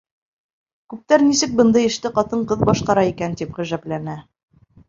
Күптәр, нисек бындай эште ҡатын-ҡыҙ башҡара икән, тип ғәжәпләнә.